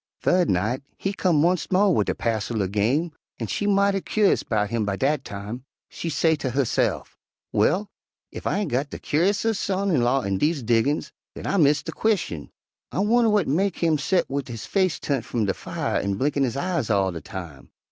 "Thu'd night he come onct mo' wid a passel er game, an' she mighty cur'ous 'bout him by dat time. She say ter husse'f, 'Well! ef I ain' got de curisomest son in law in dese diggin's, den I miss de queschin. I wunner w'at mek him set wid his face turnt f'um de fire an' blinkin' his eyes all de time?